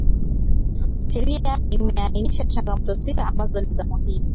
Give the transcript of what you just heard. Sheria imeainisha changamoto sita ambazo ni za muhimu